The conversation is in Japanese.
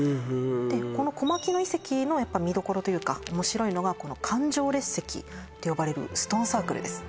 この小牧野遺跡の見どころというか面白いのがこの環状列石と呼ばれるストーンサークルです